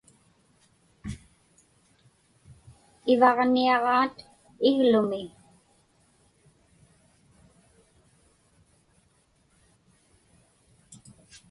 Ivaġniaġaat iglumi.